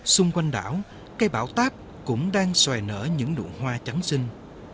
xung quanh đảo cây bão táp cũng đang xòe nở những đụng hoa trắng xinh